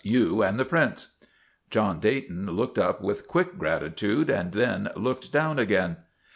"You and the Prince?' John Dayton looked up with quick gratitude and then looked down again.